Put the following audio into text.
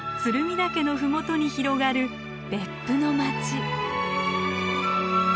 岳の麓に広がる別府の街。